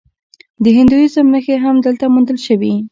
د هندویزم نښې هم دلته موندل شوي